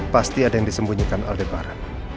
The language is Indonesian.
pasti ada yang disembunyikan aldebaran